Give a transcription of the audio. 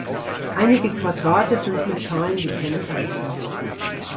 Einige Quadrate sind mit Zahlen gekennzeichnet.